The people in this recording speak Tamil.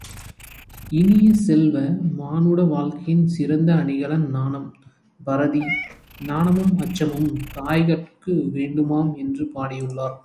இனிய செல்வ, மானுட வாழ்க்கையின் சிறந்த அணிகலன் நாணம், பரதி, நாணமும் அச்சமும் தாய்கட்கு வேண்டுமாம் என்று பாடியுள்ளார்.